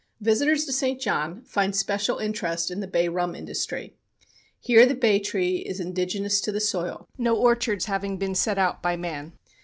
Visitors to St. John find special interest in the bay rum industry. Here the bay tree is indigenous to the soil, no orchards having been set out by man.